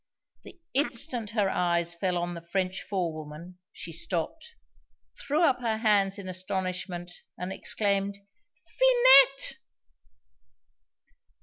The instant her eyes fell on the French forewoman, she stopped, threw up her hands in astonishment, and exclaimed, "Finette!"